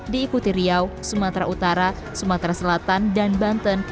diikuti riau sumatera utara sumatera selatan dan banten